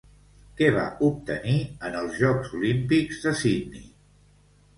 Què va obtenir en els Jocs Olímpics de Sydney?